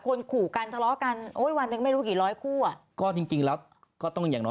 คนขู่กันทะเลาะกันโอ้ยวันหนึ่งไม่รู้กี่ร้อยคู่อ่ะ